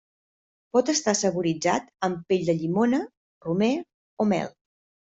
Pot estar saboritzat amb pell de llimona, romer o mel.